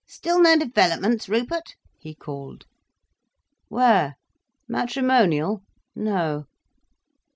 Still no developments, Rupert?" he called. "Where? Matrimonial? No."